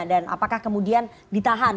dan apakah kemudian ditahan